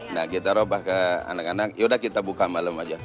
nah kita robah ke anak anak yaudah kita buka malam aja